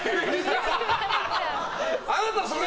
あなた、それ！